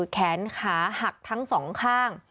แขนขาหักทั้งสองข้าง